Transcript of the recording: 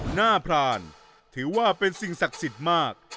พรานถือว่าเป็นสิ่งศักดิ์สิทธิ์มาก